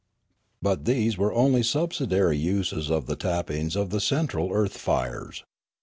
But these were only subsidiary uses of the tappings of the central earth fires.